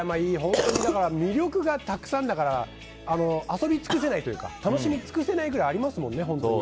魅力がたくさんだから遊び尽くせないというか楽しみ尽くせないくらいありますもんね。